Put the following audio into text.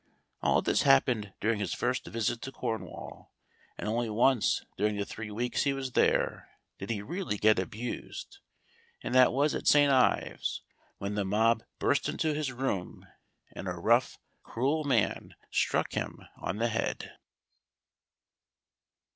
All this happened during his first visit to Cornwall; and only once during the three weeks he was there did he get really abused, and that was at St. Ives, when the mob burst into his room, and a rough, cruel man struck him on the head.